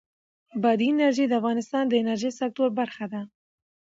بادي انرژي د افغانستان د انرژۍ سکتور برخه ده.